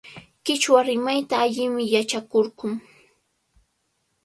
Qichwa rimayta allimi yachakurqun.